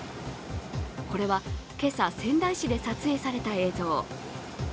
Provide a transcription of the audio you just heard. これは今朝、仙台市で撮影された映像。